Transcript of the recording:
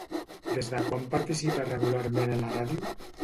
Des de quan participa regularment a la ràdio?